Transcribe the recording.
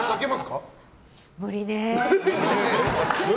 無理ね。